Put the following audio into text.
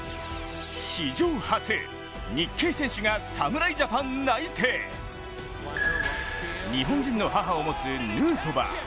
史上初、日系選手が侍ジャパン内定日本人の母を持つヌートバー。